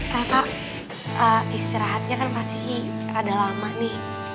reva istirahatnya kan masih agak lama nih